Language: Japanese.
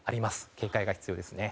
警戒が必要ですね。